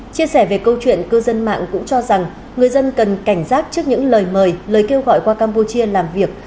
chia sẻ về câu chuyện cư dân mạng cũng cho rằng người dân cần cảnh giác trước những lời mời lời kêu gọi qua campuchia làm việc